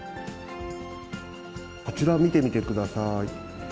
こちら、見てみてください。